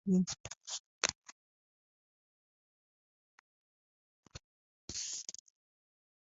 بل تجارتي مارکیټ یا هوټل جوړېږي.